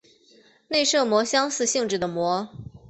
内射模相似性质的模。